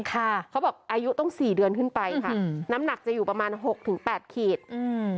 เขาบอกอายุต้องสี่เดือนขึ้นไปค่ะอืมน้ำหนักจะอยู่ประมาณหกถึงแปดขีดอืม